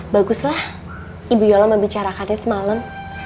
baguslah ibu yola membicarakannya semalam